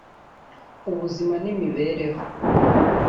ubuzima n’imibereho